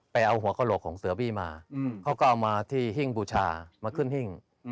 เอาหัวกระโหลกของเสือบี้มาเขาก็เอามาที่หิ้งบูชามาขึ้นหิ้ง